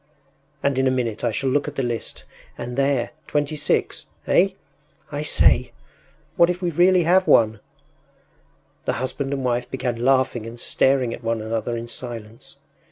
And in a minute I shall look at the list, and there 26! Eh? I say, what if we really have won?” The husband and wife began laughing and staring at one another in silence.